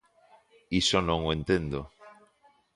Iso non o entendo.